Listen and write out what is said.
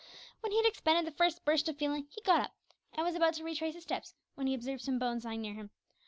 When he had expended the first burst of feeling, he got up, and was about to retrace his steps, when he observed some bones lying near him.